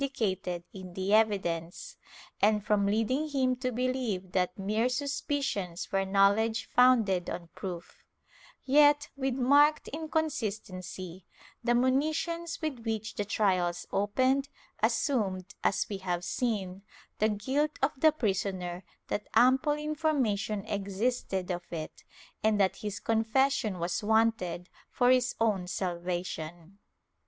Chap. VIII] EXAMINATION OF THE ACCUSED 71' in the evidence, and from leading him to believe that mere sus picions were knowledge founded on proof/ Yet, with marked inconsistency, the monitions with which the trials opened, assumed, as we have seen, the guilt of the prisoner, that ample information existed of it, and that his confession was wanted for his own salvation.